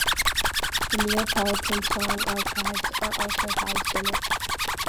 The Neapolitan song archives are also housed in it.